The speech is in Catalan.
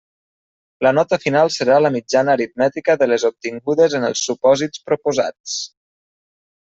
La nota final serà la mitjana aritmètica de les obtingudes en els supòsits proposats.